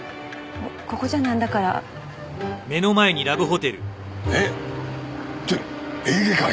ここじゃなんだから。え！？って「エーゲ海」？